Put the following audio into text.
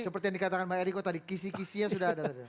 seperti yang dikatakan bang eriko tadi kisi kisinya sudah ada tadi